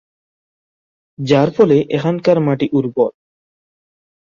যার ফলে এখানকার মাটি উর্বর।